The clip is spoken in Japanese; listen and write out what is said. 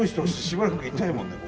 しばらくいたいもんね